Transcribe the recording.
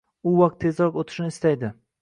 U vaqt tezroq oʻtishini istaydi